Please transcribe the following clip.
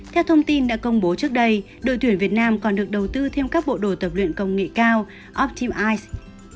theo thông tin đã công bố trước đây đội thuyền việt nam còn được đầu tư thêm các bộ đồ tập luyện công nghệ cao optimize